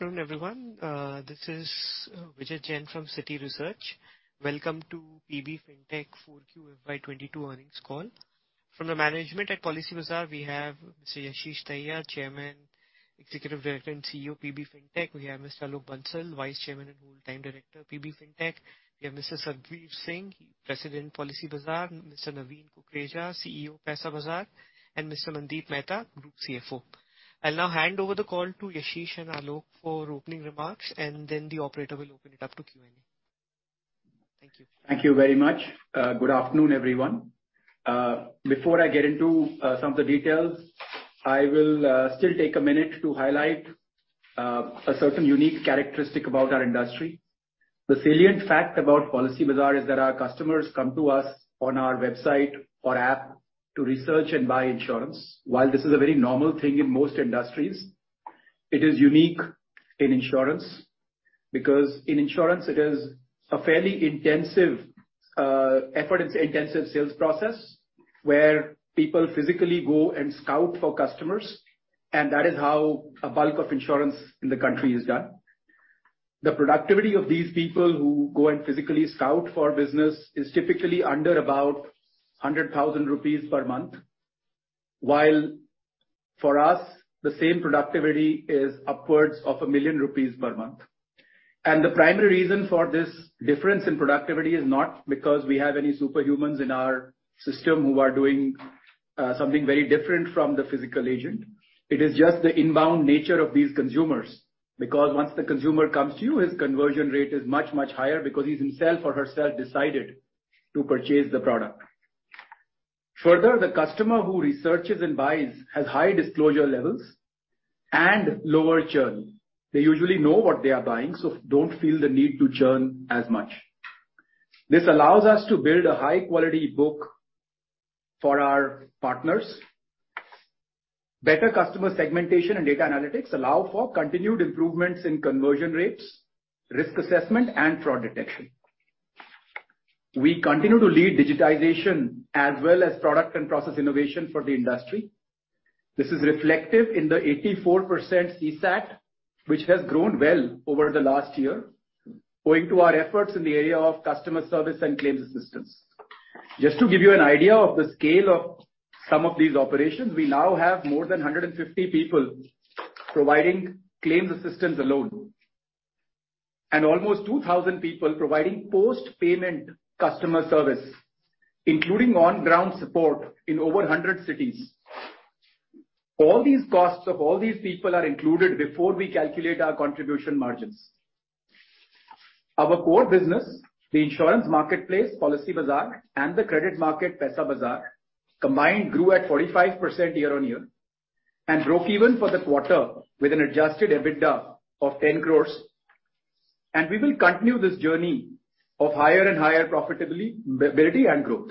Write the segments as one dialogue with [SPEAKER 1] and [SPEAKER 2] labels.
[SPEAKER 1] Good afternoon, everyone. This is Vijit Jain from Citi Research. Welcome to PB Fintech 4Q FY22 earnings call. From the management at Policybazaar, we have Mr. Yashish Dahiya, Chairman, Executive Director, and CEO, PB Fintech. We have Mr. Alok Bansal, Vice Chairman and Whole Time Director, PB Fintech. We have Mr. Sarbvir Singh, President, Policybazaar. Mr. Naveen Kukreja, CEO, Paisabazaar, and Mr. Mandeep Mehta, Group CFO. I'll now hand over the call to Ashish and Alok for opening remarks, and then the operator will open it up to Q&A. Thank you.
[SPEAKER 2] Thank you very much. Good afternoon, everyone. Before I get into some of the details, I will still take a minute to highlight a certain unique characteristic about our industry. The salient fact about Policybazaar is that our customers come to us on our website or app to research and buy insurance. While this is a very normal thing in most industries, it is unique in insurance, because in insurance it is a fairly intensive effort, it's intensive sales process, where people physically go and scout for customers, and that is how a bulk of insurance in the country is done. The productivity of these people who go and physically scout for business is typically under about 100,000 rupees per month. While for us, the same productivity is upwards of 1 million rupees per month. The primary reason for this difference in productivity is not because we have any superhumans in our system who are doing something very different from the physical agent. It is just the inbound nature of these consumers, because once the consumer comes to you, his conversion rate is much, much higher because he's himself or herself decided to purchase the product. Further, the customer who researches and buys has high disclosure levels and lower churn. They usually know what they are buying, so don't feel the need to churn as much. This allows us to build a high quality book for our partners. Better customer segmentation and data analytics allow for continued improvements in conversion rates, risk assessment and fraud detection. We continue to lead digitization as well as product and process innovation for the industry. This is reflective in the 84% CSAT, which has grown well over the last year, owing to our efforts in the area of customer service and claims assistance. Just to give you an idea of the scale of some of these operations, we now have more than 150 people providing claims assistance alone, and almost 2,000 people providing post-payment customer service, including on-ground support in over 100 cities. All these costs of all these people are included before we calculate our contribution margins. Our core business, the insurance marketplace, Policybazaar, and the credit market, Paisabazaar, combined grew at 45% year-on-year and broke even for the quarter with an adjusted EBITDA of 10 crore, and we will continue this journey of higher and higher profitability, scalability and growth.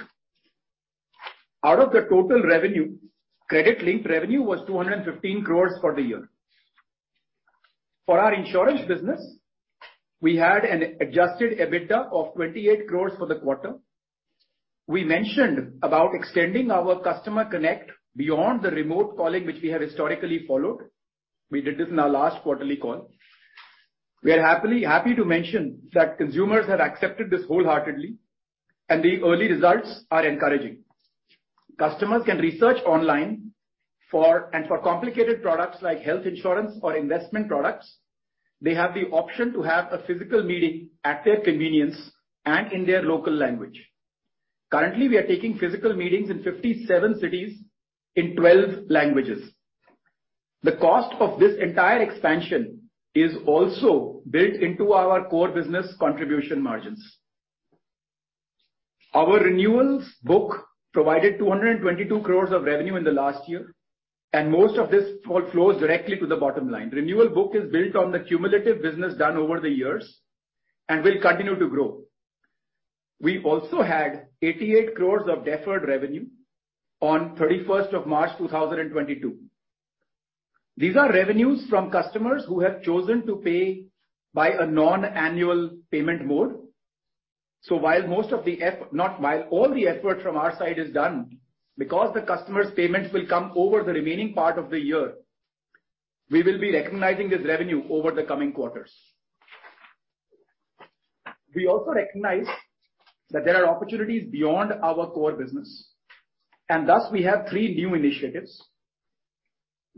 [SPEAKER 2] Out of the total revenue, credit-linked revenue was 215 crore for the year. For our insurance business, we had an adjusted EBITDA of 28 crore for the quarter. We mentioned about extending our customer connect beyond the remote calling, which we have historically followed. We did this in our last quarterly call. We are happy to mention that consumers have accepted this wholeheartedly, and the early results are encouraging. Customers can research online and for complicated products like health insurance or investment products, they have the option to have a physical meeting at their convenience and in their local language. Currently, we are taking physical meetings in 57 cities in 12 languages. The cost of this entire expansion is also built into our core business contribution margins. Our renewals book provided 222 crores of revenue in the last year, and most of this all flows directly to the bottom line. Renewal book is built on the cumulative business done over the years and will continue to grow. We also had 88 crores of deferred revenue on 31st of March 2022. These are revenues from customers who have chosen to pay by a non-annual payment mode. While most of the effort from our side is done, because the customer's payments will come over the remaining part of the year, we will be recognizing this revenue over the coming quarters. We also recognize that there are opportunities beyond our core business, and thus we have three new initiatives.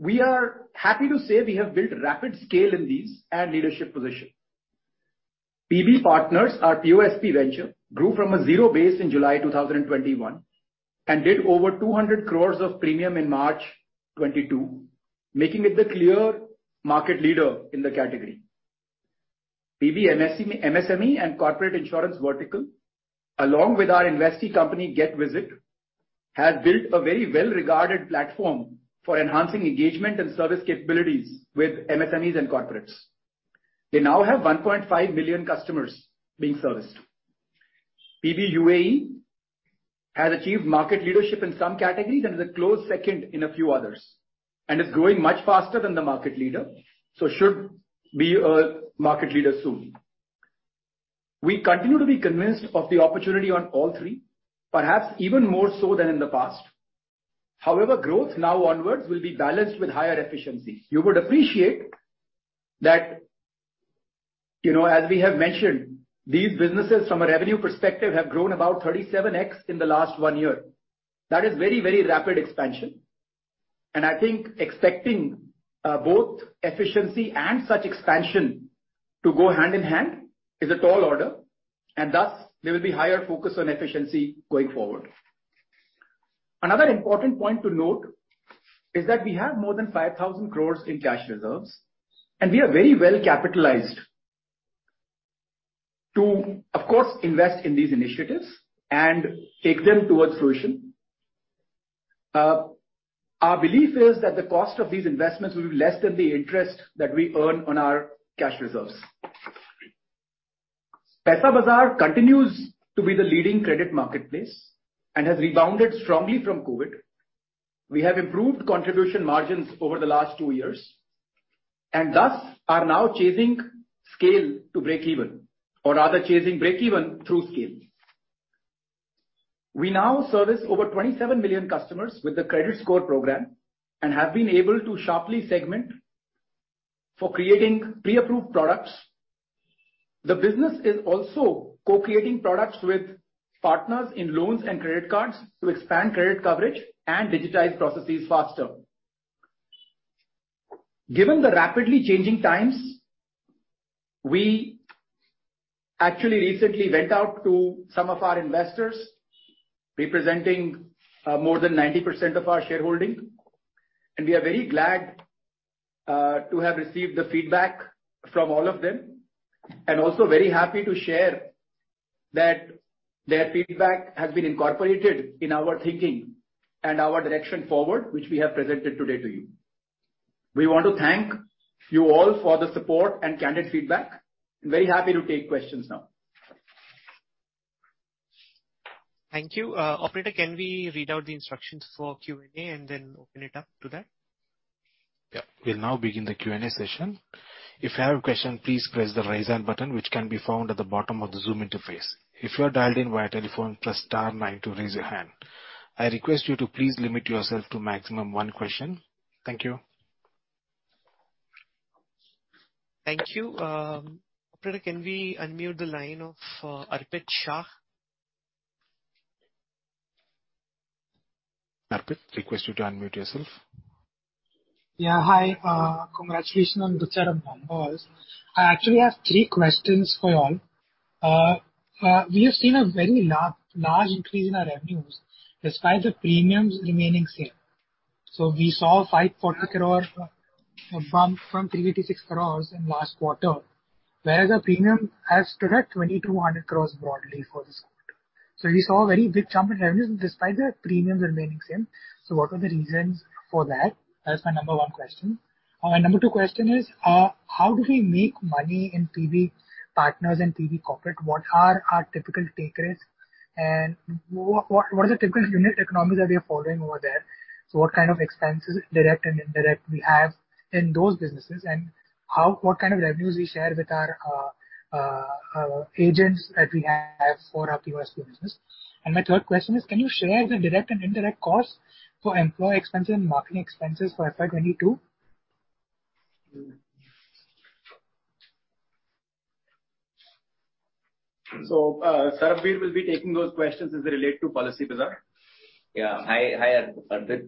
[SPEAKER 2] We are happy to say we have built rapid scale in these and leadership position. PB Partners, our POSP venture, grew from a zero base in July 2021 and did over 200 crore of premium in March 2022, making it the clear market leader in the category. PB MSME and corporate insurance vertical, along with our investee company, Vistara Health, has built a very well-regarded platform for enhancing engagement and service capabilities with MSMEs and corporates. They now have 1.5 million customers being serviced. PB UAE has achieved market leadership in some categories and is a close second in a few others, and is growing much faster than the market leader. Should be a market leader soon. We continue to be convinced of the opportunity on all three, perhaps even more so than in the past. However, growth now onwards will be balanced with higher efficiency. You would appreciate that, you know, as we have mentioned, these businesses from a revenue perspective have grown about 37x in the last one year. That is very, very rapid expansion. I think expecting both efficiency and such expansion to go hand in hand is a tall order, and thus there will be higher focus on efficiency going forward. Another important point to note is that we have more than 5,000 crore in cash reserves, and we are very well capitalized to, of course, invest in these initiatives and take them towards fruition. Our belief is that the cost of these investments will be less than the interest that we earn on our cash reserves. Paisabazaar continues to be the leading credit marketplace and has rebounded strongly from COVID. We have improved contribution margins over the last two years and thus are now chasing scale to break even or rather, chasing break even through scale. We now service over 27 million customers with the credit score program and have been able to sharply segment for creating pre-approved products. The business is also co-creating products with partners in loans and credit cards to expand credit coverage and digitize processes faster. Given the rapidly changing times, we actually recently went out to some of our investors representing more than 90% of our shareholding, and we are very glad to have received the feedback from all of them. We are also very happy to share that their feedback has been incorporated in our thinking and our direction forward, which we have presented today to you. We want to thank you all for the support and candid feedback and very happy to take questions now.
[SPEAKER 3] Thank you. Operator, can we read out the instructions for Q&A and then open it up to that?
[SPEAKER 2] Yeah.
[SPEAKER 4] We'll now begin the Q&A session. If you have a question, please press the raise hand button, which can be found at the bottom of the Zoom interface. If you are dialed in via telephone, press star nine to raise your hand. I request you to please limit yourself to maximum one question. Thank you.
[SPEAKER 3] Thank you. Operator, can we unmute the line of Arpit Shah?
[SPEAKER 4] Arpit, request you to unmute yourself.
[SPEAKER 5] Yeah. Hi. Congratulations on the strong set of numbers. I actually have three questions for you all. We have seen a very large increase in our revenues despite the premiums remaining same. We saw 540 crores from 386 crores in last quarter, whereas the premium has stood at 2,200 crores broadly for this quarter. We saw a very big jump in revenues despite the premiums remaining same. What are the reasons for that? That's my number one question. My number two question is, how do we make money in PB Partners and PB Corporate? What are our typical take rates and what are the typical unit economics that we are following over there? What kind of expenses, direct and indirect, we have in those businesses, and what kind of revenues we share with our our agents that we have for our POSP business. My third question is, can you share the direct and indirect costs for employee expenses and marketing expenses for FY 2022?
[SPEAKER 2] Sarbvir will be taking those questions as they relate to Policybazaar.
[SPEAKER 6] Yeah. Hi, hi Arpit.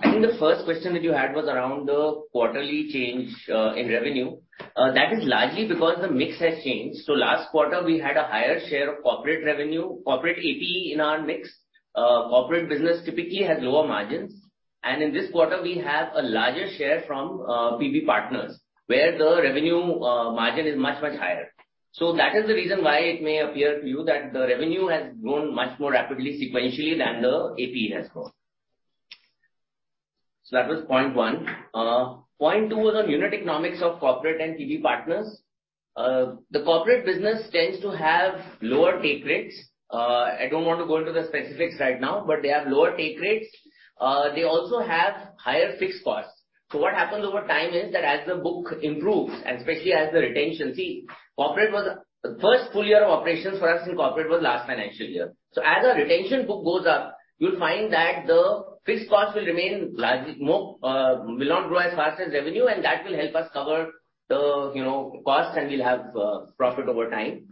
[SPEAKER 6] I think the first question that you had was around the quarterly change in revenue. That is largely because the mix has changed. Last quarter we had a higher share of corporate revenue, corporate APE in our mix. Corporate business typically has lower margins. In this quarter, we have a larger share from PB Partners where the revenue margin is much, much higher. That is the reason why it may appear to you that the revenue has grown much more rapidly sequentially than the APE has grown. That was point one. Point two was on unit economics of corporate and PB Partners. The corporate business tends to have lower take rates. I don't want to go into the specifics right now, but they have lower take rates. They also have higher fixed costs. What happens over time is that as the book improves, and especially as the retention book goes up, the first full year of operations for us in corporate was last financial year. As our retention book goes up, you'll find that the fixed cost will remain large, more, will not grow as fast as revenue, and that will help us cover the, you know, costs and we'll have profit over time.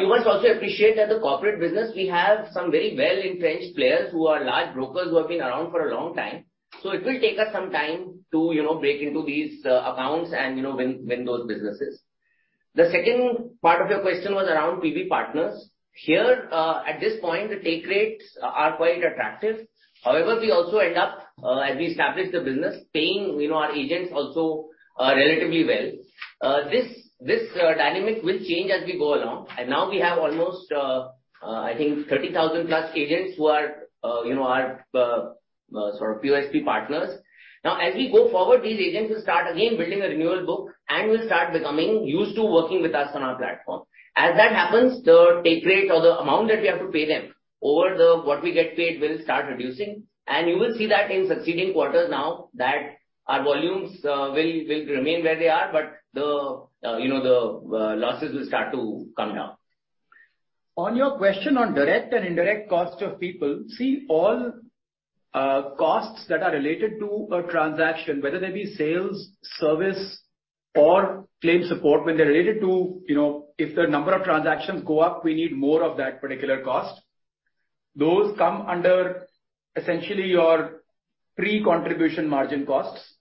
[SPEAKER 6] You must also appreciate that the corporate business, we have some very well-entrenched players who are large brokers who have been around for a long time. It will take us some time to, you know, break into these accounts and, you know, win those businesses. The second part of your question was around PB Partners. Here, at this point, the take rates are quite attractive. However, we also end up, as we establish the business, paying, you know, our agents also, relatively well. This dynamic will change as we go along. Now we have almost, I think 30,000 plus agents who are, you know, sort of POSP partners. Now, as we go forward, these agents will start again building a renewal book and will start becoming used to working with us on our platform. As that happens, the take rate or the amount that we have to pay them over what we get paid will start reducing. You will see that in succeeding quarters now that our volumes will remain where they are, but the, you know, the losses will start to come down.
[SPEAKER 2] On your question on direct and indirect cost of people, see all costs that are related to a transaction, whether they be sales, service or claim support when they're related to, you know, if the number of transactions go up, we need more of that particular cost. Those come under essentially your pre-contribution margin costs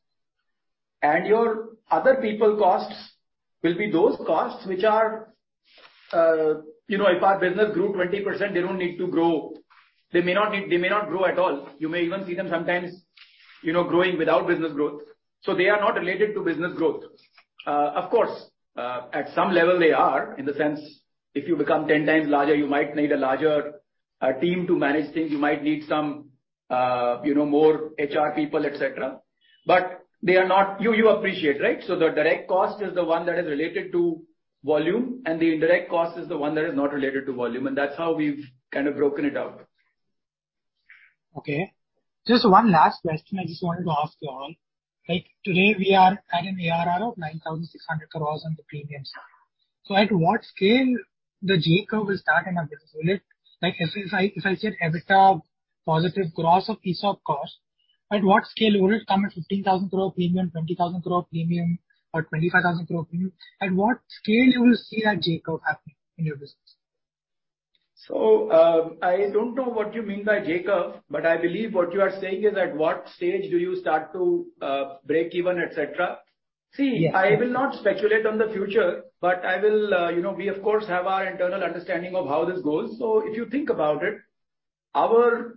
[SPEAKER 2] and your other people costs will be those costs which are, you know, if our business grew 20%, they don't need to grow. They may not grow at all. You may even see them sometimes, you know, growing without business growth. They are not related to business growth. Of course, at some level they are in the sense, if you become 10 times larger, you might need a larger team to manage things. You might need some, you know, more HR people, et cetera. But they are not. You appreciate, right? The direct cost is the one that is related to volume, and the indirect cost is the one that is not related to volume. That's how we've kind of broken it out.
[SPEAKER 5] Okay. Just one last question I just wanted to ask you all. Like, today we are at an ARR of 9,600 crores on the premium side. At what scale the J curve will start in our business? Like if I said EBITDA positive gross of ESOP cost, at what scale will it come at 15,000 crore premium, 20,000 crore premium or 25,000 crore premium? At what scale you will see that J curve happening in your business?
[SPEAKER 2] I don't know what you mean by J curve, but I believe what you are saying is, at what stage do you start to break even, et cetera.
[SPEAKER 5] Yeah.
[SPEAKER 2] See, I will not speculate on the future, but I will, you know, we of course have our internal understanding of how this goes. If you think about it, our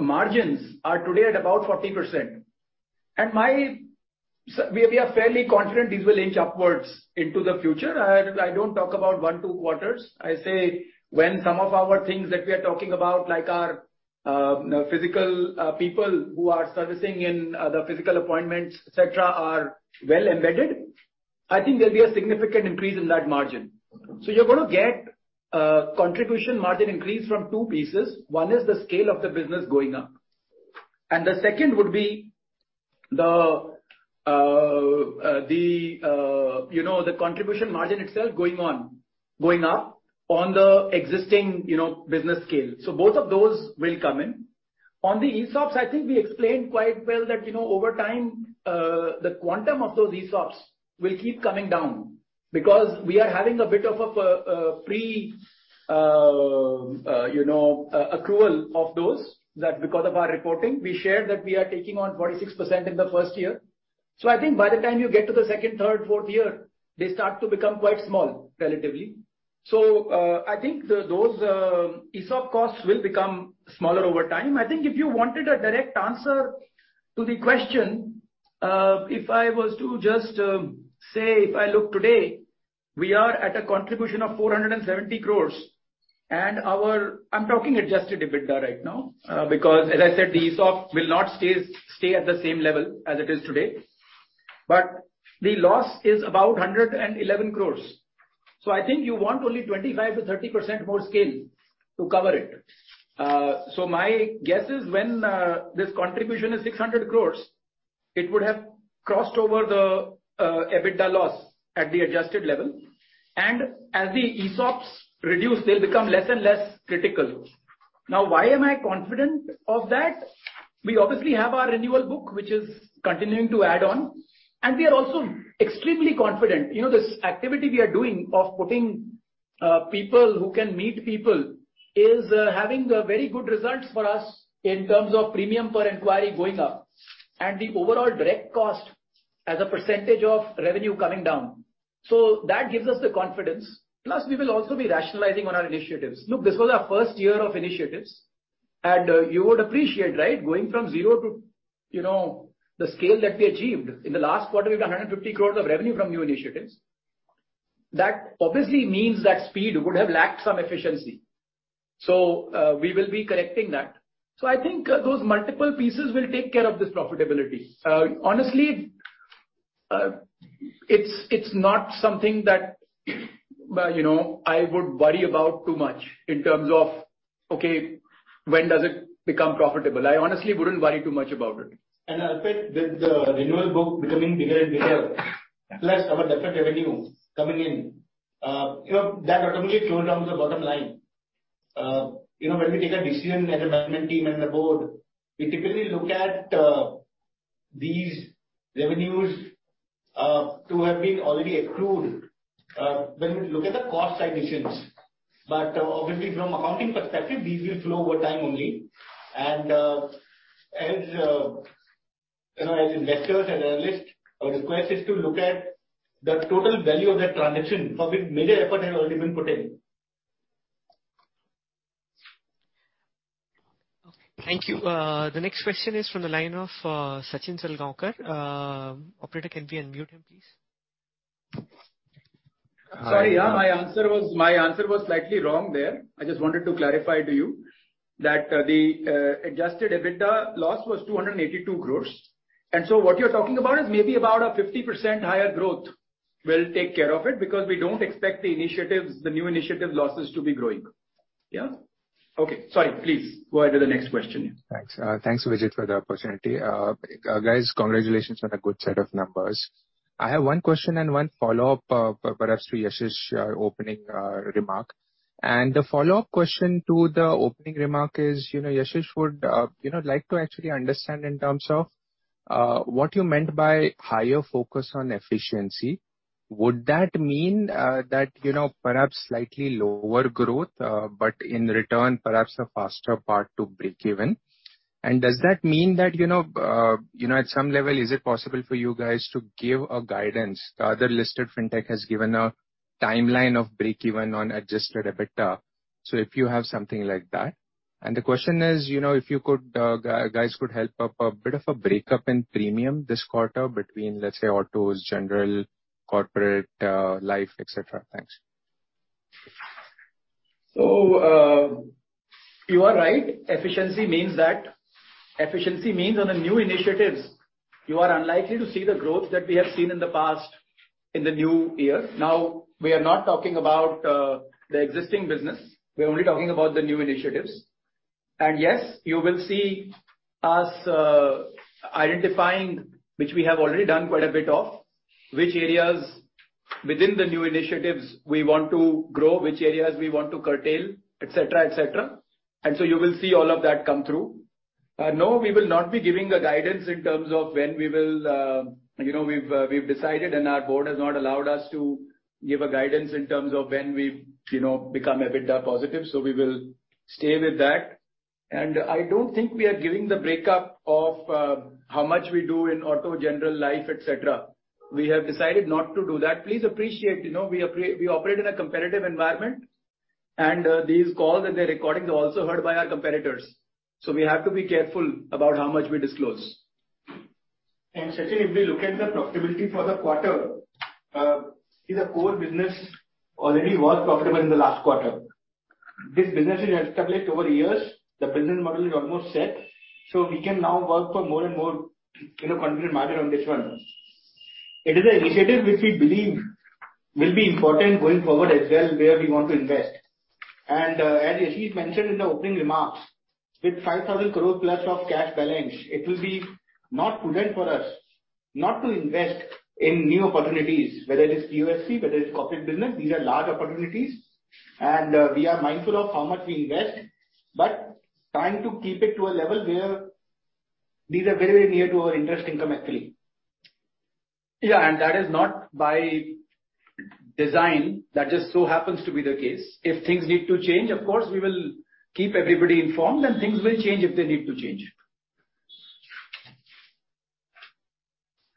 [SPEAKER 2] margins are today at about 40%. We are fairly confident these will inch upwards into the future. I don't talk about one, two quarters. I say when some of our things that we are talking about, like our physical people who are servicing in the physical appointments, et cetera, are well embedded, I think there'll be a significant increase in that margin. You're gonna get contribution margin increase from two pieces. One is the scale of the business going up. The second would be the, you know, the contribution margin itself going on, going up on the existing, you know, business scale. Both of those will come in. On the ESOPs, I think we explained quite well that, you know, over time, the quantum of those ESOPs will keep coming down because we are having a bit of a pre-accrual of those, that because of our reporting, we shared that we are taking on 46% in the first year. I think by the time you get to the second, third, fourth year, they start to become quite small, relatively. I think those ESOP costs will become smaller over time. I think if you wanted a direct answer to the question, if I was to just say, if I look today, we are at a contribution of 470 crore and I'm talking adjusted EBITDA right now, because as I said, the ESOP will not stay at the same level as it is today, but the loss is about 111 crore. I think you want only 25%-30% more scale to cover it. My guess is when this contribution is 600 crore, it would have crossed over the EBITDA loss at the adjusted level. As the ESOPs reduce, they'll become less and less critical. Now, why am I confident of that? We obviously have our renewal book, which is continuing to add on, and we are also extremely confident. You know, this activity we are doing of putting people who can meet people is having very good results for us in terms of premium per inquiry going up and the overall direct cost as a percentage of revenue coming down. That gives us the confidence. Plus, we will also be rationalizing on our initiatives. Look, this was our first year of initiatives, and you would appreciate, right, going from zero to, you know, the scale that we achieved. In the last quarter, we have 150 crores of revenue from new initiatives. That obviously means that speed would have lacked some efficiency. We will be correcting that. I think those multiple pieces will take care of this profitability. Honestly, it's not something that, you know, I would worry about too much in terms of, okay, when does it become profitable? I honestly wouldn't worry too much about it. I expect with the renewal book becoming bigger and bigger, plus our deferred revenue coming in, you know, that automatically flows down to the bottom line. When we take a decision as a management team and the board, we typically look at these revenues to have been already accrued when we look at the cost side decisions. Obviously, from accounting perspective, these will flow over time only. As investors and analysts, our request is to look at the total value of that transaction for which major effort has already been put in.
[SPEAKER 1] Okay. Thank you. The next question is from the line of Sachin Salgaonkar. Operator, can we unmute him, please?
[SPEAKER 2] Sorry. Yeah, my answer was slightly wrong there. I just wanted to clarify to you that the adjusted EBITDA loss was 282 crores. What you're talking about is maybe about a 50% higher growth will take care of it, because we don't expect the initiatives, the new initiative losses to be growing. Yeah. Okay. Sorry, please go ahead to the next question.
[SPEAKER 7] Thanks. Thanks, Vijit, for the opportunity. Guys, congratulations on a good set of numbers. I have one question and one follow-up, perhaps through Yashish's opening remark. The follow-up question to the opening remark is, you know, Yashish would, you know, like to actually understand in terms of, what you meant by higher focus on efficiency. Would that mean, that, you know, perhaps slightly lower growth, but in return perhaps a faster path to breakeven? Does that mean that, you know, at some level is it possible for you guys to give a guidance? The other listed fintech has given a timeline of breakeven on adjusted EBITDA. If you have something like that. The question is, you know, if you guys could help us with a bit of a break-up in premium this quarter between, let's say, autos, general, corporate, life, et cetera. Thanks.
[SPEAKER 2] You are right. Efficiency means on the new initiatives, you are unlikely to see the growth that we have seen in the past in the new year. Now, we are not talking about, the existing business, we're only talking about the new initiatives. Yes, you will see us identifying, which we have already done quite a bit of, which areas within the new initiatives we want to grow, which areas we want to curtail, et cetera, et cetera. You will see all of that come through. No, we will not be giving a guidance in terms of when we will, you know, we've decided and our board has not allowed us to give a guidance in terms of when we, you know, become EBITDA positive, so we will stay with that. I don't think we are giving the break-up of how much we do in auto, general, life, et cetera. We have decided not to do that. Please appreciate, you know, we operate in a competitive environment and these calls and their recordings are also heard by our competitors. We have to be careful about how much we disclose.
[SPEAKER 8] Sachin, if we look at the profitability for the quarter, see the core business already was profitable in the last quarter. This business is established over years. The business model is almost set, so we can now work for more and more in a confident manner on this one. It is an initiative which we believe will be important going forward as well, where we want to invest. As Yashish mentioned in the opening remarks, with 5,000 crore plus of cash balance, it will be not prudent for us not to invest in new opportunities, whether it is POSP, whether it is corporate business, these are large opportunities. We are mindful of how much we invest, but trying to keep it to a level where these are very, very near to our interest income actually.
[SPEAKER 2] Yeah, that is not by design. That just so happens to be the case. If things need to change, of course, we will keep everybody informed, and things will change if they need to change.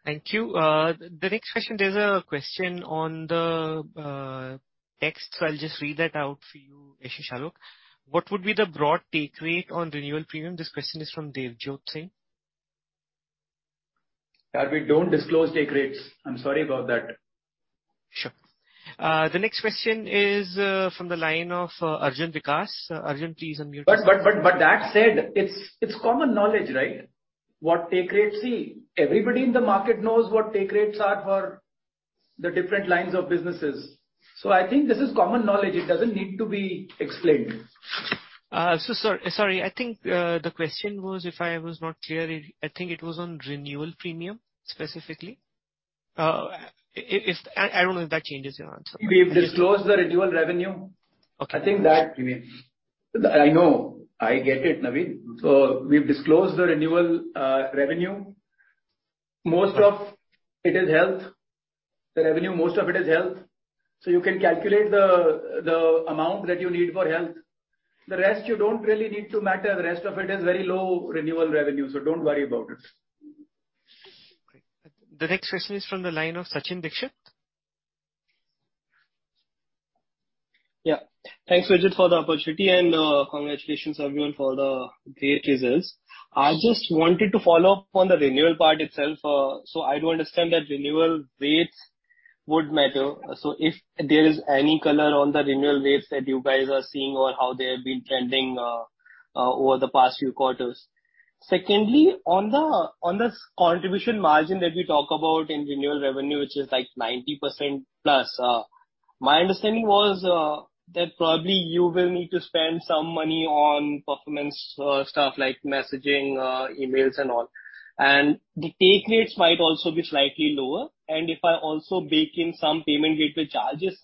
[SPEAKER 1] Thank you. The next question, there's a question on the text. I'll just read that out for you, Yashish Dahiya, Alok Bansal. What would be the broad take rate on renewal premium? This question is from Dev Jyotsna.
[SPEAKER 2] Naveen Kukreja, we don't disclose take rates. I'm sorry about that.
[SPEAKER 1] Sure. The next question is from the line of Arjun Vikas. Arjun, please unmute yourself.
[SPEAKER 2] that said, it's common knowledge, right? What take rates. See, everybody in the market knows what take rates are for the different lines of businesses. I think this is common knowledge. It doesn't need to be explained.
[SPEAKER 1] Sorry. I think the question was if I was not clear. I think it was on renewal premium specifically. I don't know if that changes your answer.
[SPEAKER 2] We've disclosed the renewal revenue.
[SPEAKER 1] Okay.
[SPEAKER 2] I think that I know. I get it, Navi. We've disclosed the renewal revenue. Most of it is health. The revenue, most of it is health. You can calculate the amount that you need for health. The rest you don't really need to matter. The rest of it is very low renewal revenue, so don't worry about it.
[SPEAKER 1] Great. The next question is from the line of Sachin Dixit.
[SPEAKER 9] Yeah. Thanks, Vijit, for the opportunity and congratulations everyone for the great results. I just wanted to follow up on the renewal part itself. I do understand that renewal rates would matter. If there is any color on the renewal rates that you guys are seeing or how they have been trending over the past few quarters? Secondly, on the contribution margin that we talk about in renewal revenue, which is like 90% plus, my understanding was that probably you will need to spend some money on performance stuff like messaging, emails and all. And the take rates might also be slightly lower. And if I also bake in some payment gateway charges,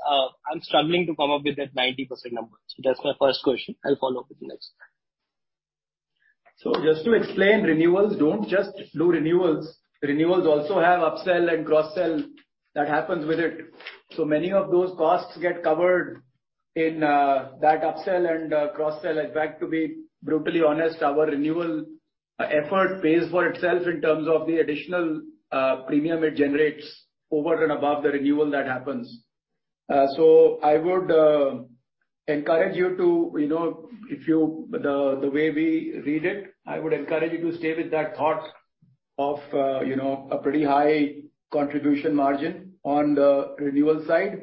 [SPEAKER 9] I'm struggling to come up with that 90% number. That's my first question. I'll follow up with the next.
[SPEAKER 2] Just to explain, renewals don't just do renewals. Renewals also have upsell and cross-sell that happens with it. Many of those costs get covered in that upsell and cross-sell. In fact, to be brutally honest, our renewal effort pays for itself in terms of the additional premium it generates over and above the renewal that happens. I would encourage you to, you know, the way we read it, stay with that thought of, you know, a pretty high contribution margin on the renewal side.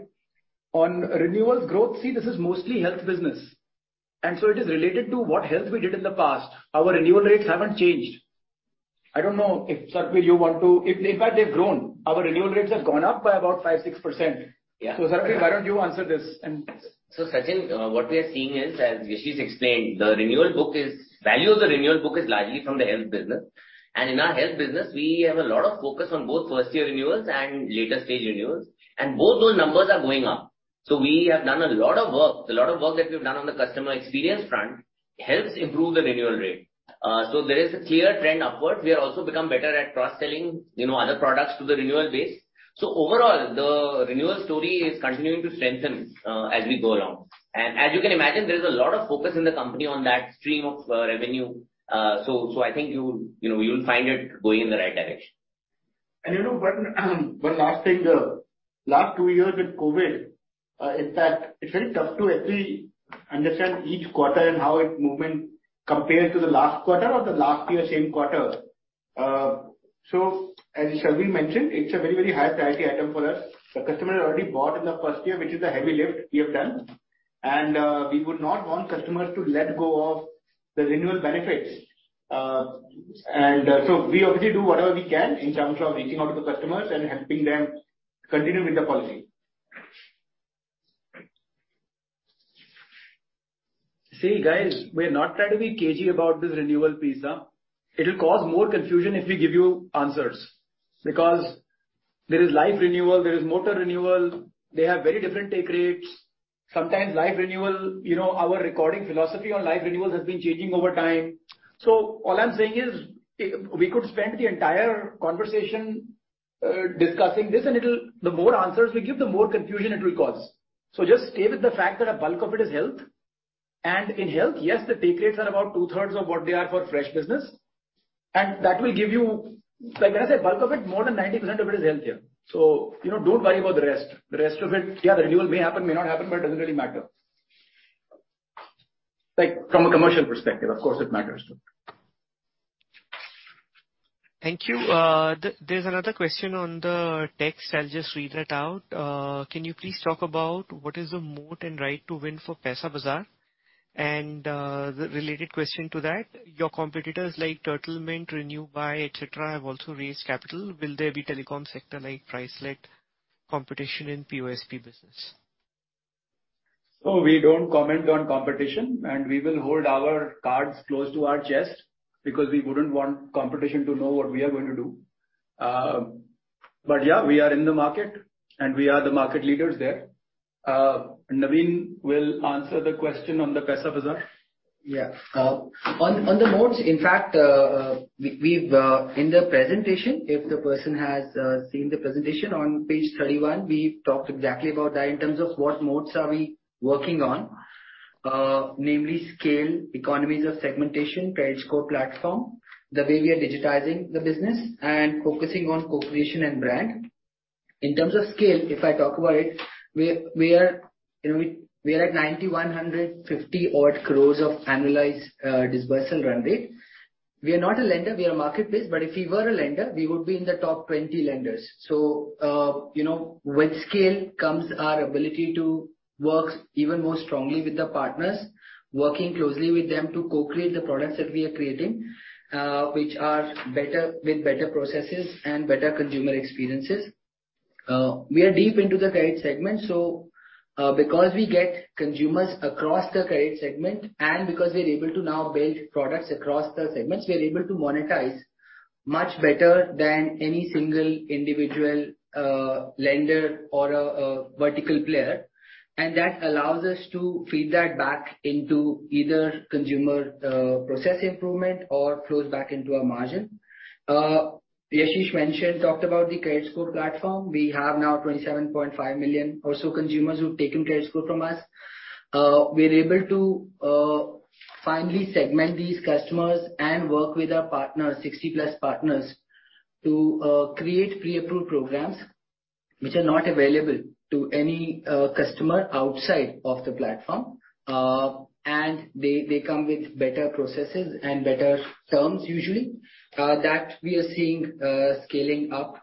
[SPEAKER 2] On renewals growth, see, this is mostly health business, and so it is related to what health we did in the past. Our renewal rates haven't changed. In fact, they've grown. Our renewal rates have gone up by about 5%-6%.
[SPEAKER 10] Yeah.
[SPEAKER 2] Sarbvir Singh, why don't you answer this and-
[SPEAKER 6] Sachin, what we are seeing is, as Yashish explained, the value of the renewal book is largely from the health business. In our health business, we have a lot of focus on both first-year renewals and later stage renewals, and both those numbers are going up. We have done a lot of work. A lot of work that we've done on the customer experience front helps improve the renewal rate. There is a clear trend upward. We have also become better at cross-selling, you know, other products to the renewal base. Overall, the renewal story is continuing to strengthen as we go along. As you can imagine, there is a lot of focus in the company on that stream of revenue. I think you know, you'll find it going in the right direction.
[SPEAKER 2] You know, one last thing. The last two years with COVID is that it's very tough to actually understand each quarter and how its movement compares to the last quarter or the last year same quarter. So as Sarbvir mentioned, it's a very, very high priority item for us. The customer already bought in the first year, which is the heavy lift we have done. We would not want customers to let go of the renewal benefits. So we obviously do whatever we can in terms of reaching out to the customers and helping them continue with the policy. See, guys, we're not trying to be cagey about this renewal piece, huh. It'll cause more confusion if we give you answers because there is life renewal, there is motor renewal. They have very different take rates. Sometimes life renewal, you know, our recording philosophy on life renewals has been changing over time. All I'm saying is, we could spend the entire conversation, discussing this and it'll, the more answers we give, the more confusion it will cause. Just stay with the fact that a bulk of it is health. In health, yes, the take rates are about two-thirds of what they are for fresh business. That will give you. Like when I say bulk of it, more than 90% of it is health here. You know, don't worry about the rest. The rest of it, yeah, the renewal may happen, may not happen, but it doesn't really matter. Like, from a commercial perspective, of course, it matters.
[SPEAKER 1] Thank you. There's another question on the text. I'll just read that out. Can you please talk about what is the moat and right to win for Paisabazaar? The related question to that, your competitors like Turtlemint, RenewBuy, et cetera, have also raised capital. Will there be telecom sector like price war competition in POSP business?
[SPEAKER 2] We don't comment on competition, and we will hold our cards close to our chest because we wouldn't want competition to know what we are going to do. We are in the market, and we are the market leaders there. Naveen will answer the question on the Paisabazaar.
[SPEAKER 10] Yeah. On the moats, in fact, we've in the presentation, if the person has seen the presentation on page 31, we talked exactly about that in terms of what moats are we working on. Namely scale, economies of segmentation, credit score platform, the way we are digitizing the business and focusing on co-creation and brand. In terms of scale, if I talk about it, we are, you know, at 9,150 crores of annualized disbursal run rate. We are not a lender, we are a marketplace. If we were a lender, we would be in the top 20 lenders. You know, with scale comes our ability to work even more strongly with the partners, working closely with them to co-create the products that we are creating, which are better with better processes and better consumer experiences. We are deep into the credit segment. Because we get consumers across the credit segment and because we're able to now build products across the segments, we are able to monetize much better than any single individual lender or a vertical player. That allows us to feed that back into either consumer process improvement or flows back into our margin. Yashish mentioned, talked about the credit score platform. We have now 27.5 million or so consumers who've taken credit score from us. We're able to finally segment these customers and work with our partners, 60+ partners, to create pre-approved programs which are not available to any customer outside of the platform. They come with better processes and better terms usually. That we are seeing scaling up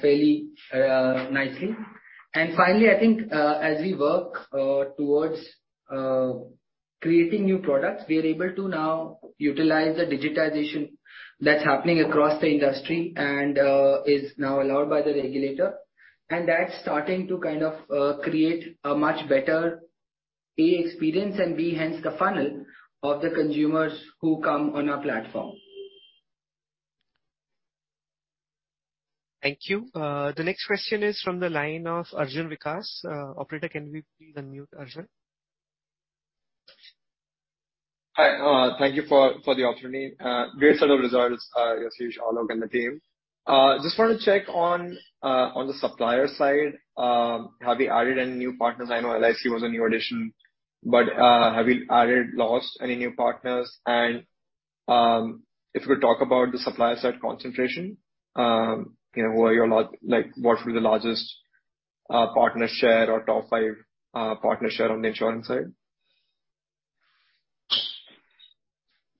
[SPEAKER 10] fairly nicely. Finally, I think, as we work towards creating new products, we are able to now utilize the digitization that's happening across the industry and is now allowed by the regulator. That's starting to kind of create a much better A experience and B hence the funnel of the consumers who come on our platform.
[SPEAKER 1] Thank you. The next question is from the line of Arjun Vikas. Operator, can we please unmute Arjun?
[SPEAKER 11] Hi. Thank you for the opportunity. Great set of results, Yashish, Alok, and the team. Just wanna check on the supplier side. Have you added any new partners? I know LIC was a new addition, but have you added, lost any new partners? If you could talk about the supplier side concentration, you know, who are your like, what will be the largest partner share or top five partner share on the insurance side?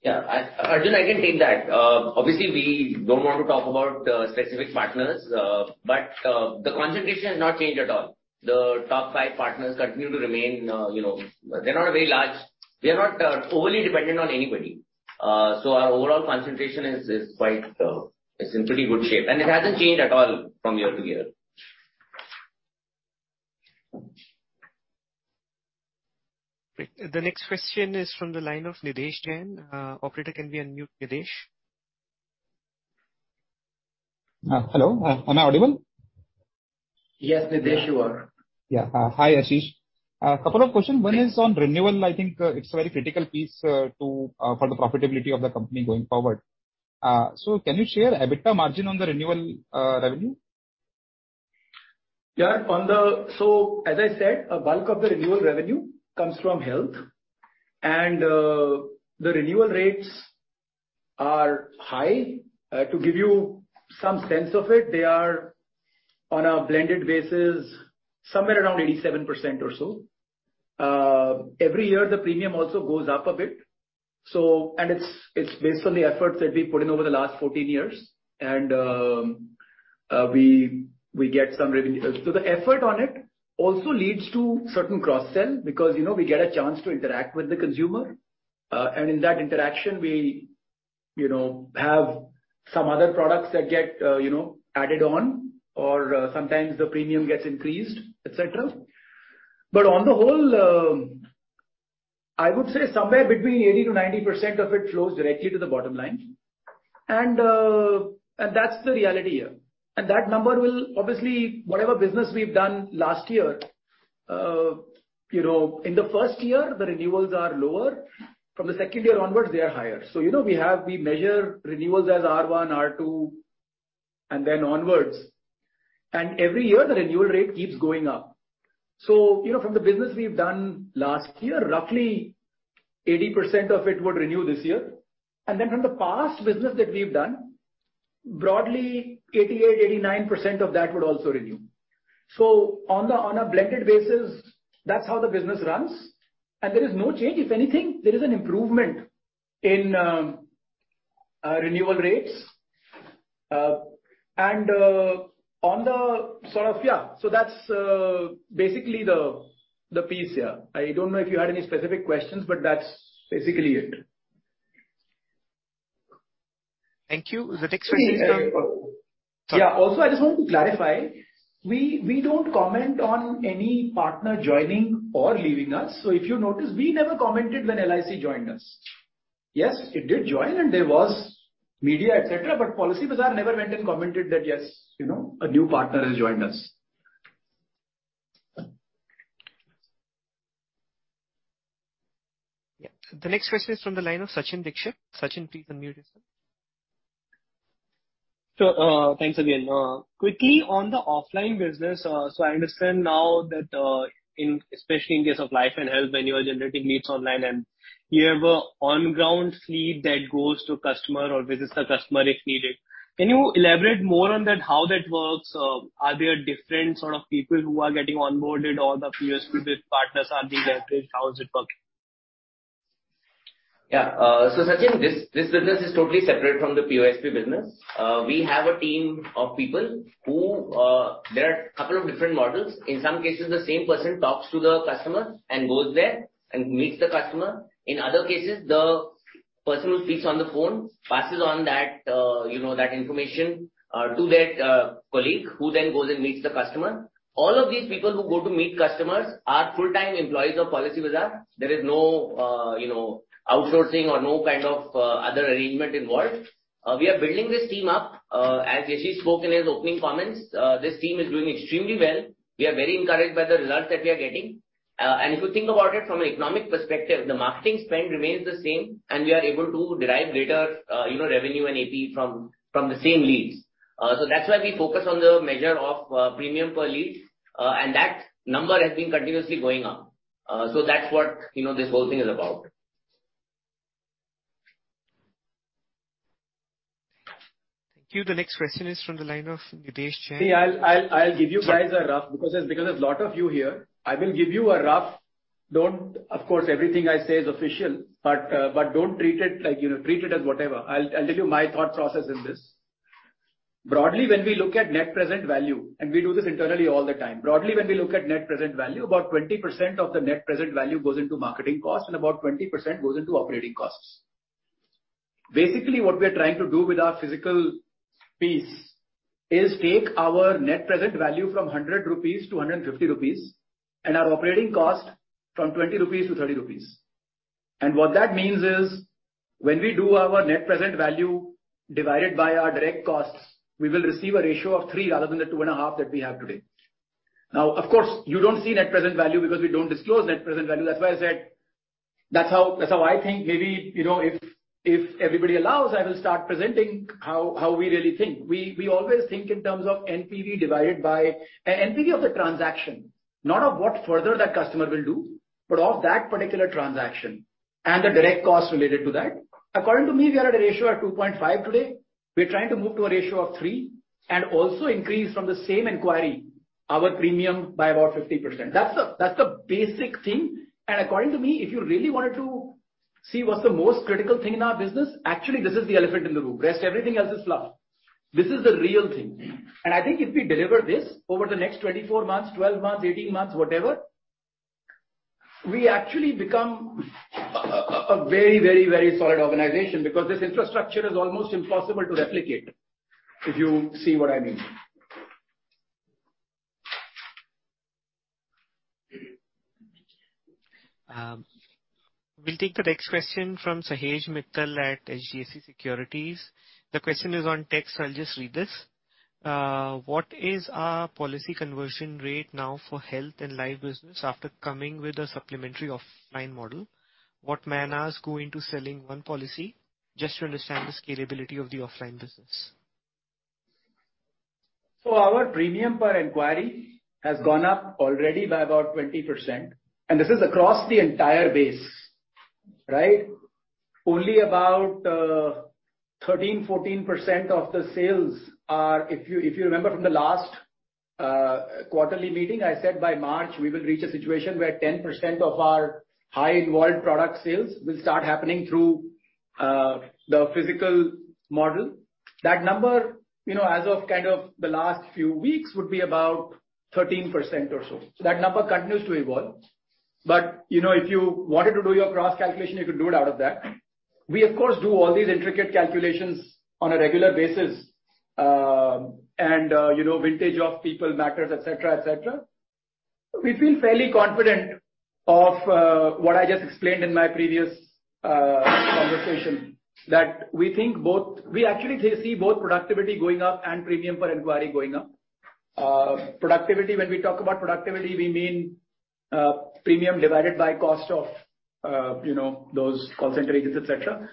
[SPEAKER 10] Yeah. Arjun, I can take that. Obviously, we don't want to talk about specific partners. The concentration has not changed at all. The top five partners continue to remain, you know, they're not a very large- We are not overly dependent on anybody. Our overall concentration is quite in pretty good shape, and it hasn't changed at all from year to year.
[SPEAKER 1] Great. The next question is from the line of Nidhesh Jain. Operator, can we unmute Nidhesh Jain?
[SPEAKER 12] Hello. Am I audible?
[SPEAKER 2] Yes, Nidhesh, you are.
[SPEAKER 12] Hi, Yashish. A couple of questions. One is on renewal. I think it's a very critical piece for the profitability of the company going forward. Can you share EBITDA margin on the renewal revenue?
[SPEAKER 2] As I said, a bulk of the renewal revenue comes from health. The renewal rates are high. To give you some sense of it, they are on a blended basis, somewhere around 87% or so. Every year the premium also goes up a bit. It's based on the efforts that we've put in over the last 14 years. We get some revenue. The effort on it also leads to certain cross-sell because, you know, we get a chance to interact with the consumer. In that interaction we, you know, have some other products that get, you know, added on or sometimes the premium gets increased, et cetera. On the whole, I would say somewhere between 80%-90% of it flows directly to the bottom line. That's the reality here. That number will obviously, whatever business we've done last year, you know, in the first year the renewals are lower. From the second year onwards, they are higher. You know, we measure renewals as R1, R2 and then onwards. Every year the renewal rate keeps going up. You know, from the business we've done last year, roughly 80% of it would renew this year. Then from the past business that we've done, broadly, 88-89% of that would also renew. On a blended basis, that's how the business runs and there is no change. If anything, there is an improvement in renewal rates. That's basically the piece. I don't know if you had any specific questions, but that's basically it.
[SPEAKER 12] Thank you. Is the next question from?
[SPEAKER 2] Yeah. Also, I just want to clarify, we don't comment on any partner joining or leaving us. If you notice, we never commented when LIC joined us. Yes, it did join, and there was media, et cetera, but Policybazaar never went and commented that, yes, you know, a new partner has joined us.
[SPEAKER 1] Yeah. The next question is from the line of Sachin Dixit. Sachin, please unmute yourself.
[SPEAKER 9] Thanks again. Quickly on the offline business, so I understand now that, in, especially in case of life and health, when you are generating leads online and you have a on-ground fleet that goes to customer or visits the customer if needed. Can you elaborate more on that, how that works? Are there different sort of people who are getting onboarded or the POSP partners are being leveraged? How is it working?
[SPEAKER 6] Yeah, Sachin, this business is totally separate from the POSP business. We have a team of people. There are a couple of different models. In some cases, the same person talks to the customer and goes there and meets the customer. In other cases, the person who speaks on the phone passes on that, you know, that information to that colleague, who then goes and meets the customer. All of these people who go to meet customers are full-time employees of Policybazaar. There is no, you know, outsourcing or no kind of other arrangement involved. We are building this team up. As Yash has spoken in his opening comments, this team is doing extremely well. We are very encouraged by the results that we are getting. If you think about it from an economic perspective, the marketing spend remains the same, and we are able to derive greater, you know, revenue and AP from the same leads. That's why we focus on the measure of premium per lead. That number has been continuously going up. That's what, you know, this whole thing is about.
[SPEAKER 1] Thank you. The next question is from the line of Nidhesh Jain.
[SPEAKER 2] I'll give you guys a rough because there's a lot of you here. Of course, everything I say is official, but don't treat it like, you know, treat it as whatever. I'll give you my thought process in this. Broadly, when we look at net present value, and we do this internally all the time. Broadly, when we look at net present value, about 20% of the net present value goes into marketing costs and about 20% goes into operating costs. Basically, what we're trying to do with our physical piece is take our net present value from 100 rupees to 150 rupees and our operating cost from 20 rupees to 30 rupees. What that means is when we do our net present value divided by our direct costs, we will receive a ratio of 3 rather than the 2.5 that we have today. Now, of course, you don't see net present value because we don't disclose net present value. That's why I said that's how I think maybe, you know, if everybody allows, I will start presenting how we really think. We always think in terms of NPV divided by NPV of the transaction, not of what further that customer will do, but of that particular transaction and the direct cost related to that. According to me, we are at a ratio of 2.5 today. We're trying to move to a ratio of 3 and also increase from the same inquiry our premium by about 50%.
[SPEAKER 6] That's the basic thing. According to me, if you really wanted to see what's the most critical thing in our business, actually this is the elephant in the room. Rest everything else is fluff. This is the real thing. I think if we deliver this over the next 24 months, 12 months, 18 months, whatever, we actually become a very solid organization because this infrastructure is almost impossible to replicate, if you see what I mean.
[SPEAKER 1] We'll take the next question from Sahej Mittal at HDFC Securities. The question is on text, so I'll just read this. What is our policy conversion rate now for health and life business after coming with a supplementary offline model? What man-hours go into selling one policy? Just to understand the scalability of the offline business.
[SPEAKER 2] Our premium per inquiry has gone up already by about 20%, and this is across the entire base, right? Only about 13-14% of the sales are... If you remember from the last quarterly meeting, I said by March we will reach a situation where 10% of our high involvement product sales will start happening through the physical model. That number, you know, as of kind of the last few weeks, would be about 13% or so. That number continues to evolve. You know, if you wanted to do your cross-calculation, you could do it out of that. We of course do all these intricate calculations on a regular basis. You know, vintage of people, macros, et cetera, et cetera. We feel fairly confident of what I just explained in my previous conversation, that we actually see both productivity going up and premium per inquiry going up. Productivity, when we talk about productivity, we mean premium divided by cost of you know those call center agents, et cetera.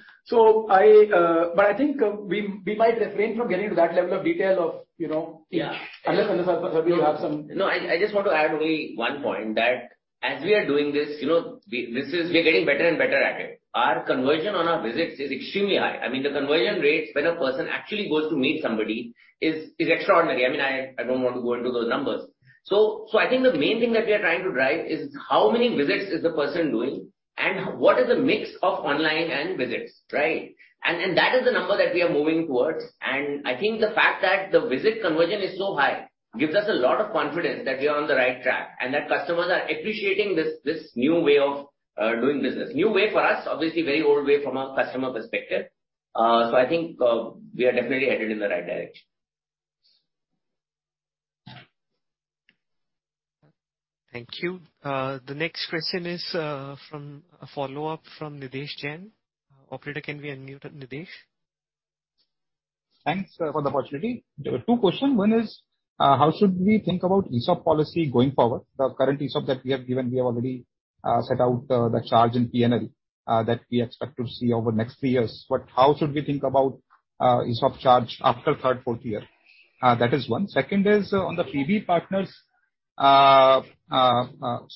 [SPEAKER 2] I think we might refrain from getting to that level of detail, you know.
[SPEAKER 6] Yeah.
[SPEAKER 2] Unless perhaps you have some
[SPEAKER 6] No, I just want to add only one point, that as we are doing this, you know, we are getting better and better at it. Our conversion on our visits is extremely high. I mean, the conversion rates when a person actually goes to meet somebody is extraordinary. I mean, I don't want to go into those numbers. I think the main thing that we are trying to drive is how many visits is the person doing and what is the mix of online and visits, right? And that is the number that we are moving towards. And I think the fact that the visit conversion is so high gives us a lot of confidence that we are on the right track and that customers are appreciating this new way of doing business. New way for us, obviously very old way from a customer perspective. I think, we are definitely headed in the right direction.
[SPEAKER 1] Thank you. The next question is from a follow-up from Nidhesh Jain. Operator, can we unmute Nidhesh?
[SPEAKER 12] Thanks for the opportunity. There were two questions. One is how should we think about ESOP policy going forward? The current ESOP that we have given, we have already set out the charge in P&L that we expect to see over the next three years. How should we think about ESOP charge after third, fourth year? That is one. Second is on the PB Partners.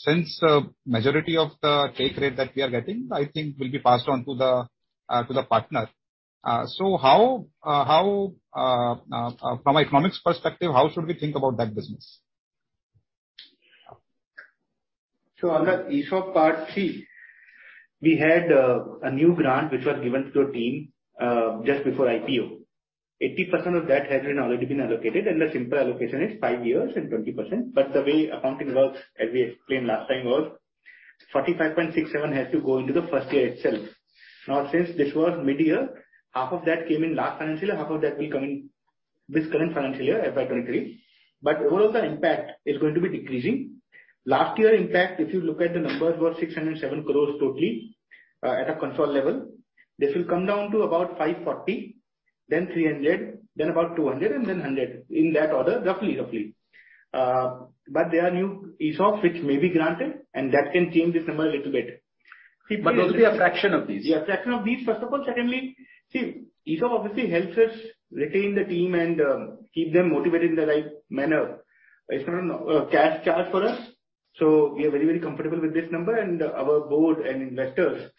[SPEAKER 12] Since majority of the take rate that we are getting, I think will be passed on to the partner. How from economics perspective should we think about that business?
[SPEAKER 8] On the ESOP part, see, we had a new grant which was given to a team just before IPO. 80% of that has already been allocated, and the simple allocation is 5 years and 20%. The way accounting works, as we explained last time, was 45.67 has to go into the first year itself. Now, since this was mid-year, half of that came in last financial year, half of that will come in this current financial year, FY 2023. Overall the impact is going to be decreasing. Last year, in fact, if you look at the numbers were 607 crores totally at a consolidated level. This will come down to about 540 crores, then 300 crores, then about 200 crores and then 100 crores, in that order, roughly. There are new ESOPs which may be granted and that can change this number a little bit.
[SPEAKER 12] only a fraction of these.
[SPEAKER 8] Yeah, fraction of these, first of all. Secondly, see, ESOP obviously helps us retain the team and keep them motivated in the right manner. It's not a cash charge for us, so we are very, very comfortable with this number and our board and investors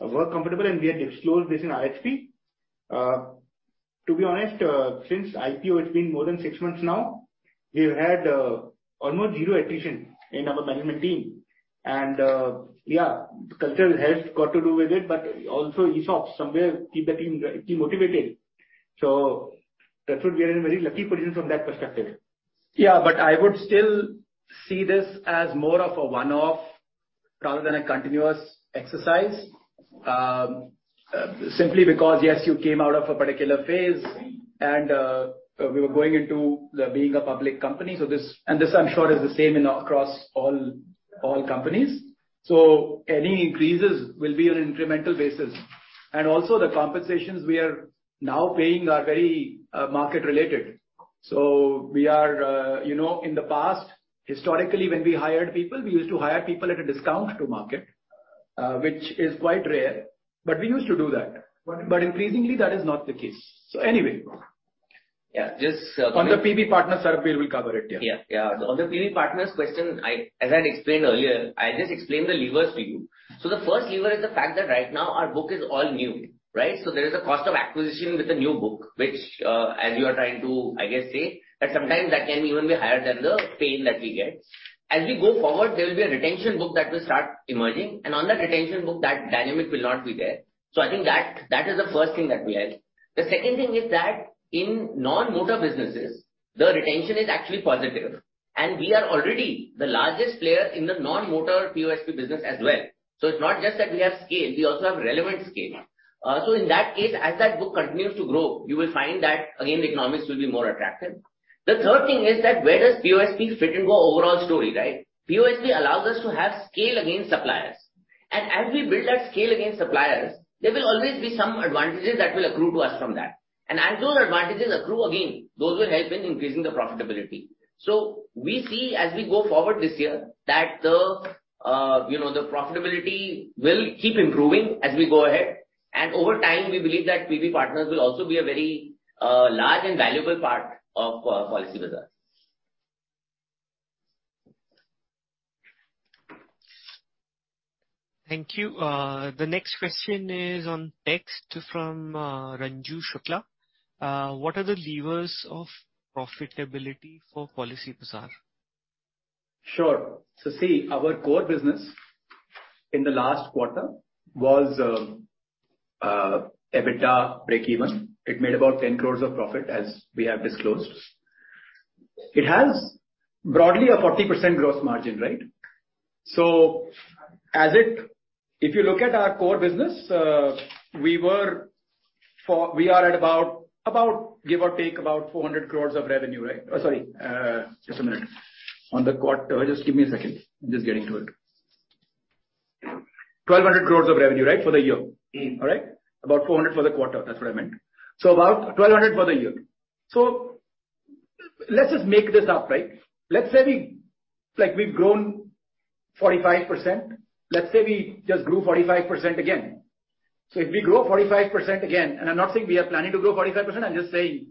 [SPEAKER 8] were comfortable and we had disclosed this in our IPO. To be honest, since IPO, it's been more than six months now. We've had almost zero attrition in our management team. Culture has got to do with it, but also ESOP somewhere keep the team motivated. So that's what we are in a very lucky position from that perspective.
[SPEAKER 6] Yeah, I would still see this as more of a one-off rather than a continuous exercise. Simply because, yes, you came out of a particular phase and we were going into being a public company. This, and this I'm sure is the same across all companies. Any increases will be on an incremental basis. Also the compensations we are now paying are very market related. We are, you know, in the past, historically, when we hired people, we used to hire people at a discount to market, which is quite rare, but we used to do that. Increasingly, that is not the case. Anyway.
[SPEAKER 2] Yeah.
[SPEAKER 6] On the PB Partners, Saurabh will cover it. Yeah.
[SPEAKER 2] Yeah.
[SPEAKER 6] Yeah. On the PB Partners question, as I explained earlier, I just explained the levers to you. The first lever is the fact that right now our book is all new, right? There is a cost of acquisition with the new book, which, as you are trying to, I guess, say, that sometimes that can even be higher than the pay that we get. As we go forward, there will be a retention book that will start emerging, and on that retention book, that dynamic will not be there. I think that is the first thing that we add. The second thing is that in non-motor businesses, the retention is actually positive. We are already the largest player in the non-motor POSP business as well. It's not just that we have scale, we also have relevant scale. In that case, as that book continues to grow, you will find that, again, the economics will be more attractive. The third thing is that where does POSP fit into our overall story, right? POSP allows us to have scale against suppliers. As we build that scale against suppliers, there will always be some advantages that will accrue to us from that. As those advantages accrue, again, those will help in increasing the profitability. We see as we go forward this year that the, you know, the profitability will keep improving as we go ahead. Over time, we believe that PB Partners will also be a very, large and valuable part of, Policybazaar.
[SPEAKER 1] Thank you. The next question is a text from Ranju Shukla. What are the levers of profitability for Policybazaar?
[SPEAKER 2] Sure. See, our core business in the last quarter was EBITDA breakeven. It made about 10 crores of profit as we have disclosed. It has broadly a 40% gross margin, right? If you look at our core business, we are at about, give or take, about 400 crores of revenue, right? Oh, sorry. On the quarter. 1,200 crores of revenue, right? For the year.
[SPEAKER 6] Mm-hmm.
[SPEAKER 10] All right? About 400 crores for the quarter. That's what I meant. About 1,200 crores for the year. Let's just make this up, right? Let's say, like, we've grown 45%. Let's say we just grew 45% again. If we grow 45% again, and I'm not saying we are planning to grow 45%, I'm just saying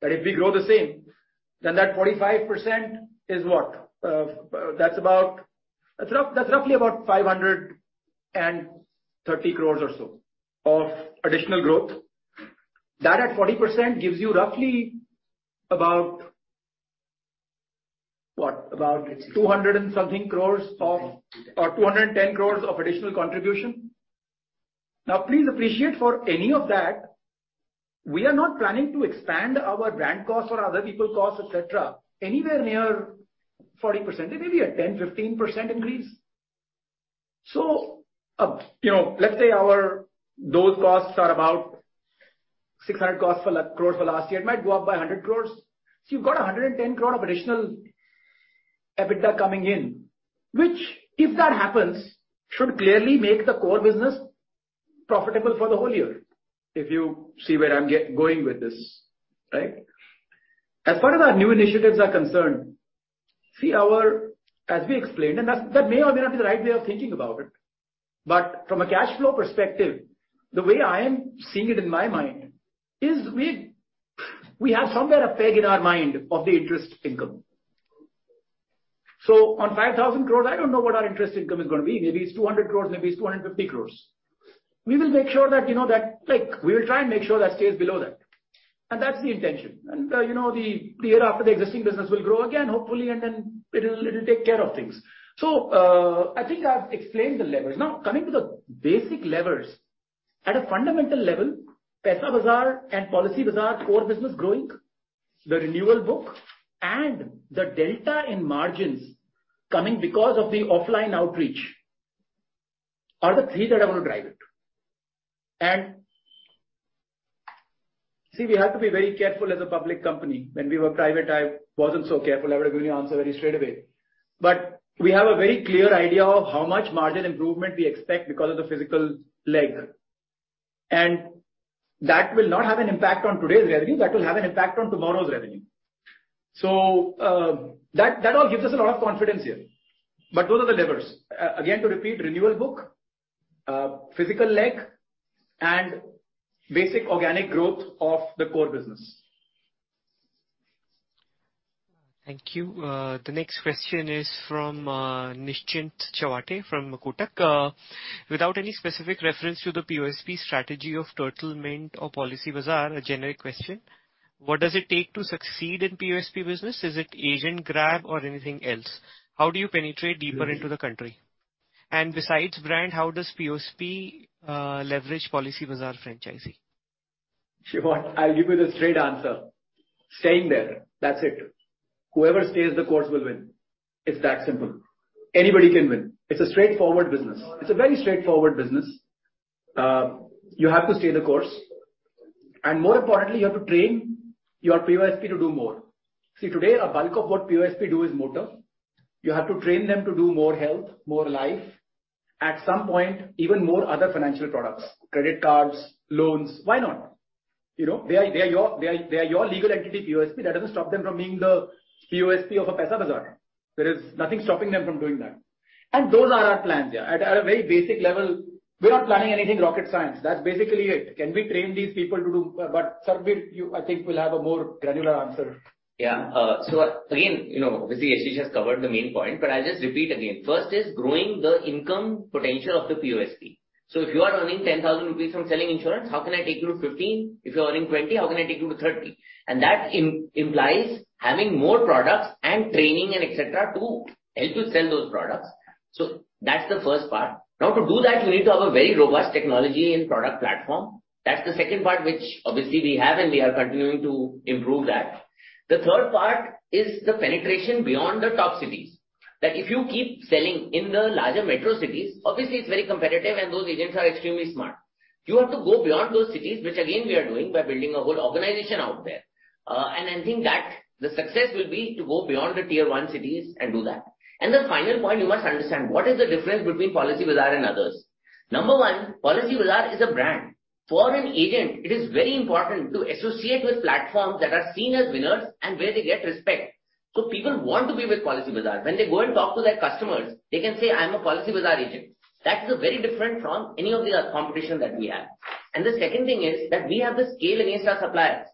[SPEAKER 10] that if we grow the same, then that 45% is what? That's roughly about 530 crores or so of additional growth. That at 40% gives you roughly about what? About 210 crores of additional contribution. Now, please appreciate for any of that, we are not planning to expand our brand costs or other people costs, et cetera, anywhere near 40%. It may be a 10%-15% increase. You know, let's say those costs are about 600 crores for last year. It might go up by 100 crores. You've got 110 crores of additional EBITDA coming in, which, if that happens, should clearly make the core business profitable for the whole year, if you see where I'm going with this, right? As far as our new initiatives are concerned, as we explained, that may or may not be the right way of thinking about it. From a cash flow perspective, the way I am seeing it in my mind is we have somewhere a peg in our mind of the interest income. On 5,000 crores, I don't know what our interest income is gonna be. Maybe it's 200 crores, maybe it's 250 crores. We will make sure that, you know, that click, we will try and make sure that stays below that. That's the intention. You know, the year after the existing business will grow again, hopefully, and then it'll take care of things. I think I've explained the levers. Now, coming to the basic levers. At a fundamental level, Paisabazaar and Policybazaar core business growing, the renewal book and the delta in margins coming because of the offline outreach are the three that are gonna drive it. See, we have to be very careful as a public company. When we were private, I wasn't so careful. I would have given you answer very straight away.
[SPEAKER 2] We have a very clear idea of how much margin improvement we expect because of the physical leg. That will not have an impact on today's revenue. That will have an impact on tomorrow's revenue. That all gives us a lot of confidence here. Those are the levers. Again, to repeat, renewal book, physical leg, and basic organic growth of the core business.
[SPEAKER 1] Thank you. The next question is from Nischint Chawathe from Kotak. Without any specific reference to the POSP strategy of Turtlemint or Policybazaar, a generic question. What does it take to succeed in POSP business? Is it agent grab or anything else? How do you penetrate deeper into the country? Besides brand, how does POSP leverage Policybazaar franchisee?
[SPEAKER 10] You know what? I'll give you the straight answer. Staying there, that's it. Whoever stays the course will win. It's that simple. Anybody can win. It's a straightforward business. It's a very straightforward business. You have to stay the course. More importantly, you have to train your POSP to do more. See, today, a bulk of what POSP do is motor. You have to train them to do more health, more life, at some point, even more other financial products, credit cards, loans. Why not? You know, they are your legal entity POSP. That doesn't stop them from being the POSP of a Paisabazaar. There is nothing stopping them from doing that. Those are our plans, yeah. At a very basic level, we're not planning anything rocket science. That's basically it. Can we train these people to do?
[SPEAKER 2] Sarbvir, you, I think will have a more granular answer.
[SPEAKER 6] Yeah, again, you know, obviously, Ashish has covered the main point, but I'll just repeat again. First is growing the income potential of the POSP. If you are earning 10,000 rupees from selling insurance, how can I take you to 15? If you're earning 20, how can I take you to 30? That implies having more products and training and et cetera to help you sell those products. That's the first part. Now, to do that, you need to have a very robust technology and product platform. That's the second part, which obviously we have and we are continuing to improve that. The third part is the penetration beyond the top cities. If you keep selling in the larger metro cities, obviously it's very competitive and those agents are extremely smart. You have to go beyond those cities, which again, we are doing by building a whole organization out there. I think that the success will be to go beyond the tier one cities and do that. The final point, you must understand what is the difference between Policybazaar and others? Number one, Policybazaar is a brand. For an agent, it is very important to associate with platforms that are seen as winners and where they get respect. People want to be with Policybazaar. When they go and talk to their customers, they can say, I am a Policybazaar agent. That is very different from any of the other competition that we have. The second thing is that we have the scale against our suppliers.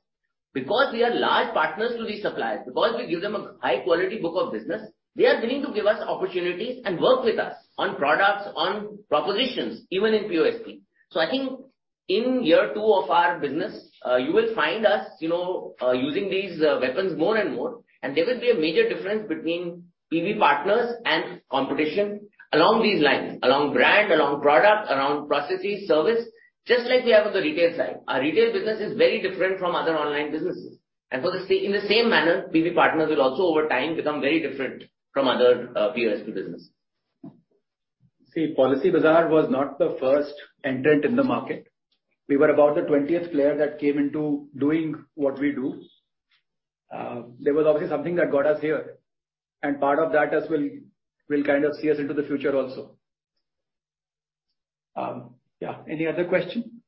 [SPEAKER 6] Because we are large partners to these suppliers, because we give them a high quality book of business, they are willing to give us opportunities and work with us on products, on propositions, even in POSP. I think in year two of our business, you will find us, you know, using these weapons more and more, and there will be a major difference between PB Partners and competition along these lines, along brand, along product, along processes, service, just like we have on the retail side. Our retail business is very different from other online businesses. In the same manner, PB Partners will also over time become very different from other POSP business.
[SPEAKER 2] See, Policybazaar was not the first entrant in the market. We were about the 20th player that came into doing what we do. There was obviously something that got us here, and part of that as well will kind of see us into the future also. Yeah. Any other question?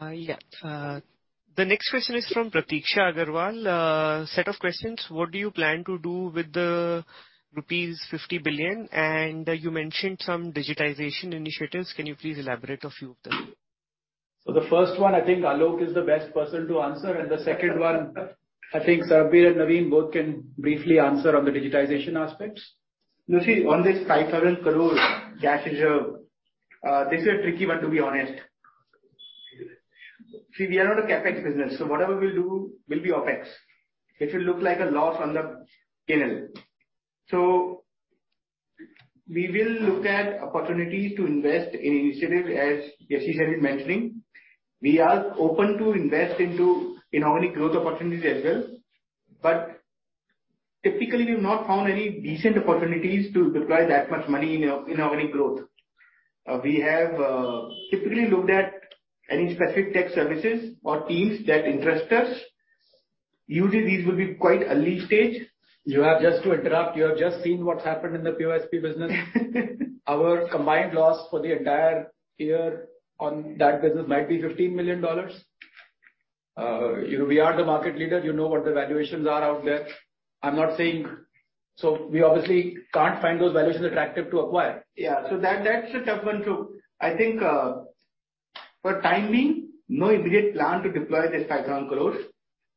[SPEAKER 1] The next question is from Prateeksha Aggarwal. Set of questions. What do you plan to do with the rupees 50 billion? You mentioned some digitization initiatives. Can you please elaborate a few of them?
[SPEAKER 2] The first one, I think Alok is the best person to answer. The second one, I think Sarbvir and Naveen both can briefly answer on the digitization aspects.
[SPEAKER 3] You see, on this 5,000 crore cash reserve, this is a tricky one, to be honest. See, we are not a CapEx business, so whatever we do will be OpEx. It will look like a loss on the P&L. We will look at opportunities to invest in initiatives, as Yashish has been mentioning. We are open to invest into inorganic growth opportunities as well. Typically, we've not found any decent opportunities to deploy that much money in organic growth. We have typically looked at any specific tech services or teams that interest us. Usually, these will be quite early stage.
[SPEAKER 2] Just to interrupt, you have just seen what's happened in the POSP business. Our combined loss for the entire year on that business might be $15 million. You know, we are the market leader. You know what the valuations are out there. I'm not saying we obviously can't find those valuations attractive to acquire.
[SPEAKER 8] Yeah. That, that's a tough one, too. I think, for time being, no immediate plan to deploy this INR 5,000 crore,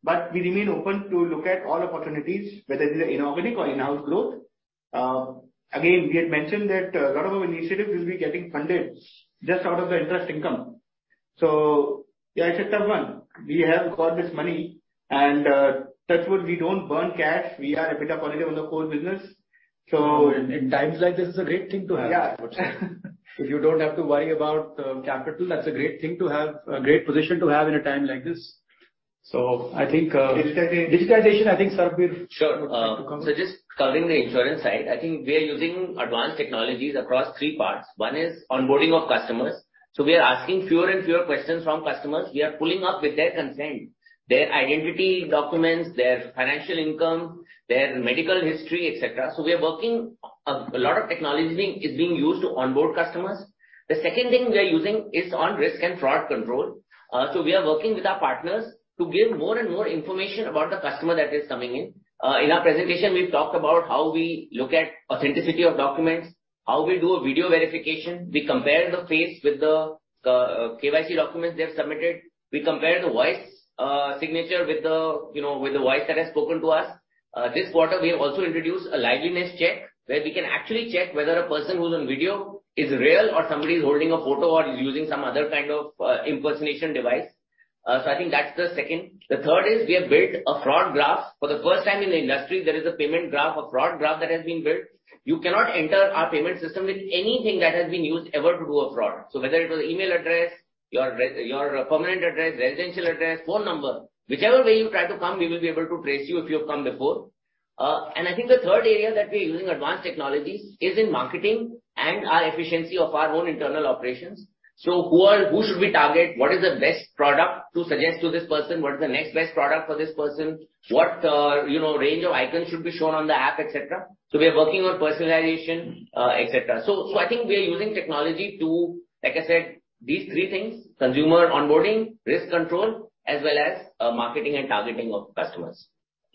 [SPEAKER 8] but we remain open to look at all opportunities, whether it is inorganic or in-house growth. Again, we had mentioned that a lot of our initiatives will be getting funded just out of the interest income. Yeah, it's a tough one. We have got this money and, that's why we don't burn cash. We are EBITDA positive on the core business.
[SPEAKER 2] In times like this, it's a great thing to have.
[SPEAKER 8] Yeah.
[SPEAKER 2] You don't have to worry about capital. That's a great thing to have, a great position to have in a time like this. I think,
[SPEAKER 8] Digitalization.
[SPEAKER 2] Digitalization, I think Sarbvir would like to comment.
[SPEAKER 6] Sure. Just covering the insurance side, I think we are using advanced technologies across three parts. One is onboarding of customers. We are asking fewer and fewer questions from customers. We are pulling up with their consent, their identity documents, their financial income, their medical history, et cetera. A lot of technology is being used to onboard customers. The second thing we are using is on risk and fraud control. We are working with our partners to give more and more information about the customer that is coming in. In our presentation, we've talked about how we look at authenticity of documents, how we do a video verification. We compare the face with the KYC documents they have submitted. We compare the voice signature with the, you know, with the voice that has spoken to us. This quarter, we have also introduced a liveness check where we can actually check whether a person who's on video is real or somebody is holding a photo or is using some other kind of impersonation device. So I think that's the second. The third is we have built a fraud graph. For the first time in the industry, there is a payment graph, a fraud graph that has been built. You cannot enter our payment system with anything that has been used ever to do a fraud. So whether it was email address, your permanent address, residential address, phone number, whichever way you try to come, we will be able to trace you if you have come before. I think the third area that we're using advanced technologies is in marketing and our efficiency of our own internal operations. Who should we target? What is the best product to suggest to this person? What is the next best product for this person? What, you know, range of icons should be shown on the app, et cetera. We are working on personalization, et cetera. I think we are using technology to, like I said, these three things, consumer onboarding, risk control, as well as marketing and targeting of customers.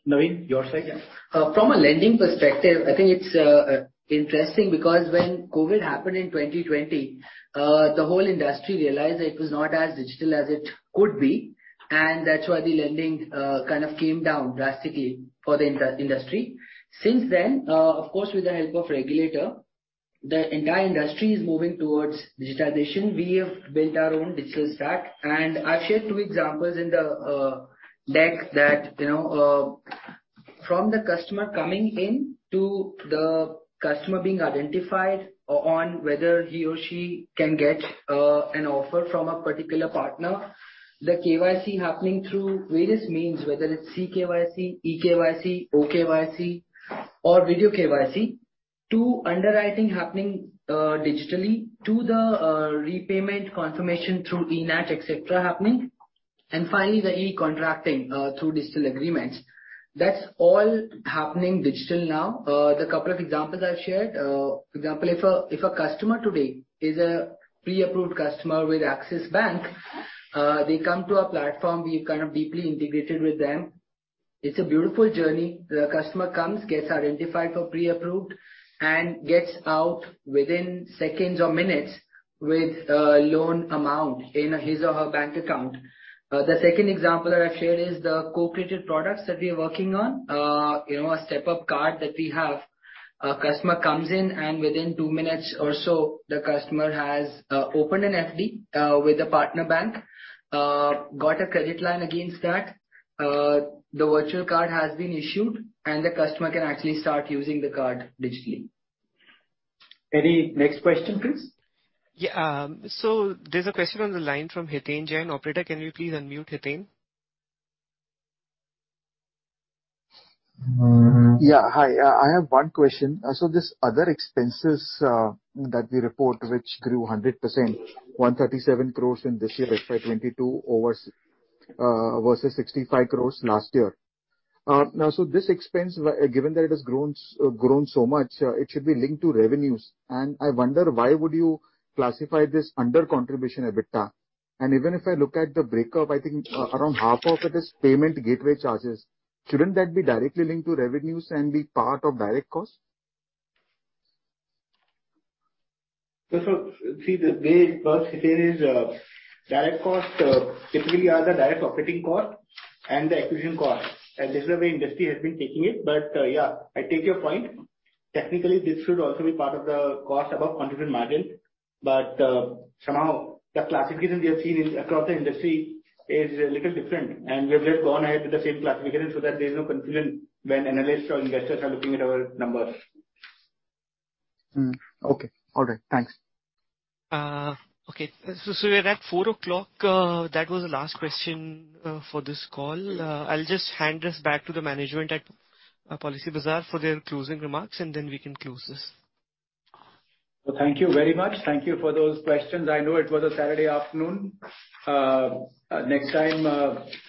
[SPEAKER 2] Naveen, your side?
[SPEAKER 10] From a lending perspective, I think it's interesting because when COVID happened in 2020, the whole industry realized that it was not as digital as it could be, and that's why the lending kind of came down drastically for the industry. Since then, of course, with the help of regulator, the entire industry is moving towards digitalization. We have built our own digital stack, and I've shared two examples in the deck that, you know, from the customer coming in to the customer being identified on whether he or she can get an offer from a particular partner, the KYC happening through various means, whether it's CKYC, eKYC, OKYC or video KYC, to underwriting happening digitally to the repayment confirmation through ENACH, et cetera, happening, and finally, the e-contracting through digital agreements. That's all happening digital now. The couple of examples I've shared, for example, if a customer today is a pre-approved customer with Axis Bank, they come to our platform, we've kind of deeply integrated with them. It's a beautiful journey. The customer comes, gets identified for pre-approved, and gets out within seconds or minutes with loan amount in his or her bank account. The second example that I've shared is the co-created products that we are working on. You know, a step-up card that we have. A customer comes in, and within two minutes or so, the customer has opened an FD with a partner bank, got a credit line against that. The virtual card has been issued, and the customer can actually start using the card digitally.
[SPEAKER 2] Any next question, please?
[SPEAKER 1] Yeah. There's a question on the line from Hiten Jain. Operator, can you please unmute Hiten?
[SPEAKER 11] Yeah. Hi, I have one question. This other expenses that we report which grew 100%, 137 crore in this year, FY 2022 versus 65 crore last year. Now, this expense, given that it has grown so much, it should be linked to revenues. I wonder, why would you classify this under contribution EBITDA? Even if I look at the breakup, I think around half of it is payment gateway charges. Shouldn't that be directly linked to revenues and be part of direct costs?
[SPEAKER 10] See, the way it works, Hiten, is direct costs typically are the direct operating cost and the acquisition cost. This is the way industry has been taking it. Yeah, I take your point. Technically, this should also be part of the cost above contribution margin. Somehow the classification we have seen in across the industry is a little different. We have just gone ahead with the same classification so that there is no confusion when analysts or investors are looking at our numbers.
[SPEAKER 11] Okay. All right, thanks.
[SPEAKER 1] Okay. We're at 4:00 P.M. That was the last question for this call. I'll just hand this back to the management at Policybazaar for their closing remarks, and then we can close this.
[SPEAKER 2] Thank you very much. Thank you for those questions. I know it was a Saturday afternoon. Next time,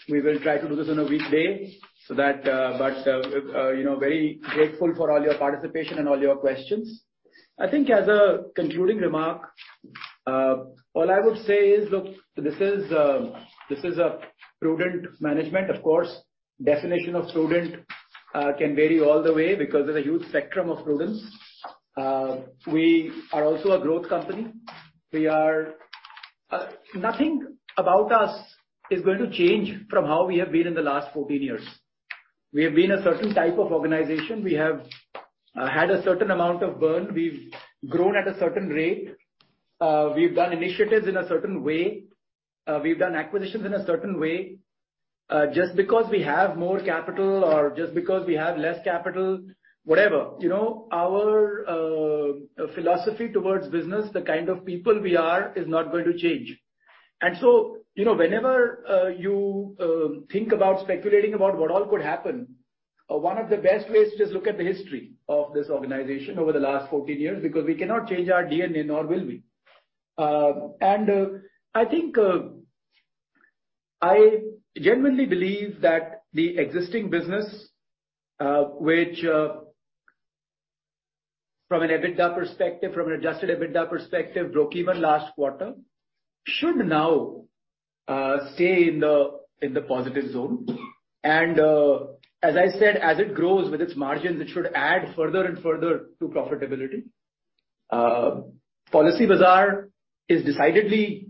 [SPEAKER 2] we will try to do this on a weekday so that, but, you know, very grateful for all your participation and all your questions. I think as a concluding remark, all I would say is, look, this is a prudent management. Of course, definition of prudent can vary all the way because there's a huge spectrum of prudence. We are also a growth company. Nothing about us is going to change from how we have been in the last 14 years. We have been a certain type of organization. We have had a certain amount of burn. We've grown at a certain rate. We've done initiatives in a certain way. We've done acquisitions in a certain way. Just because we have more capital or just because we have less capital, whatever, you know, our philosophy towards business, the kind of people we are, is not going to change. You know, whenever you think about speculating about what all could happen, one of the best ways is just look at the history of this organization over the last 14 years, because we cannot change our DNA, nor will we. I think I genuinely believe that the existing business, which from an EBITDA perspective, from an adjusted EBITDA perspective, broke even last quarter, should now stay in the positive zone. As I said, as it grows with its margins, it should add further and further to profitability. Policybazaar is decidedly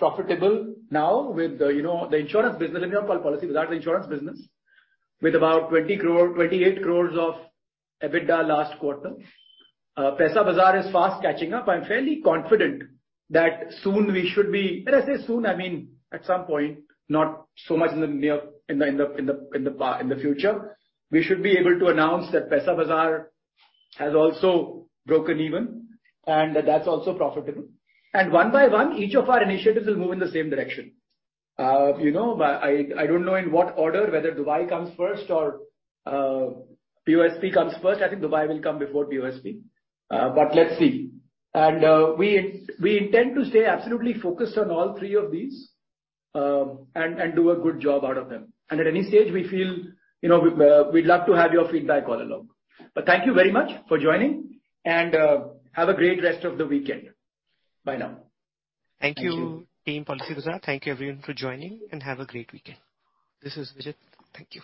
[SPEAKER 2] profitable now with, you know, the insurance business. Let me not call it Policybazaar, the insurance business, with about 20 crore, 28 crores of EBITDA last quarter. Paisabazaar is fast catching up. I'm fairly confident that soon we should be. When I say soon, I mean at some point, not so much in the near future. We should be able to announce that Paisabazaar has also broken even and that's also profitable. One by one, each of our initiatives will move in the same direction. You know, but I don't know in what order, whether Dubai comes first or POSP comes first. I think Dubai will come before POSP, but let's see. We intend to stay absolutely focused on all three of these, and do a good job out of them. At any stage we feel, you know, we'd love to have your feedback all along. Thank you very much for joining and have a great rest of the weekend. Bye now.
[SPEAKER 1] Thank you, team Policybazaar. Thank you everyone for joining and have a great weekend. This is Vijit. Thank you.